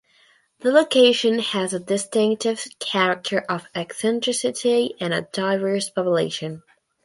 The location has a distinctive character of eccentricity and a diverse population.